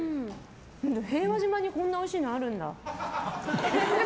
平和島にこんなおいしいのあるんだ。